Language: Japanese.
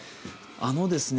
あのですね